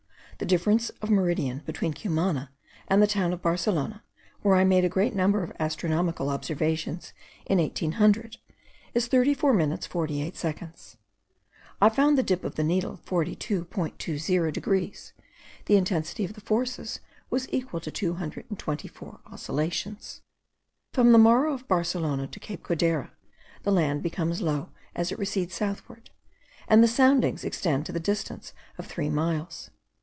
The difference of meridian between Cumana and the town of Barcelona, where I made a great number of astronomical observations in 1800, is 34 minutes 48 seconds. I found the dip of the needle 42.20 degrees: the intensity of the forces was equal to 224 oscillations. From the Morro of Barcelona to Cape Codera, the land becomes low, as it recedes southward; and the soundings extend to the distance of three miles.